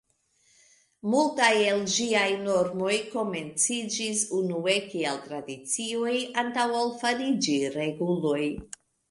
Multaj el ĝiaj normoj komenciĝis unue kiel tradicioj antaŭ ol fariĝi reguloj.